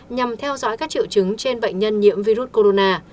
nhằm theo dõi các triệu chứng trên bệnh nhân nhiễm virus corona